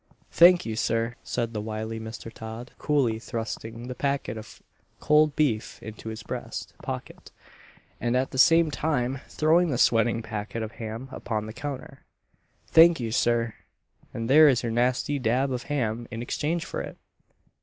"Thank you, Sir," said the wily Mr. Todd, coolly thrusting the packet of cold beef into his breast pocket, and at the same time throwing the sweating packet of ham upon the counter, "thank you, Sir! and there is your nasty dab of ham in exchange for it!"